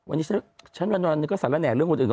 วันนี้ฉันก็สันและแหน่งเรื่องอื่นเขาเหมือนกันนะ